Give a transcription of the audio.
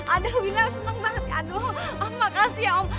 aduh wina seneng banget aduh makasih ya om